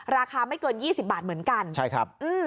ราคาไม่เกิน๒๐บาทเหมือนกัน